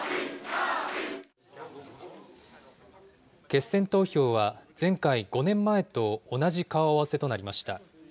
決選投票は前回・５年前と同じ顔合わせとなりました。